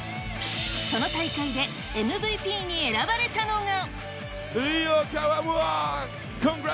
その大会でＭＶＰに選ばれたのが。